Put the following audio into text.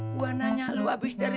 gua nanya lu abis dari